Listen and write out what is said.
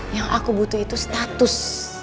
yang aku butuh itu status